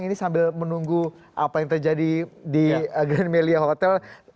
ini sambil menunggu apa yang terjadi di grand melia hotel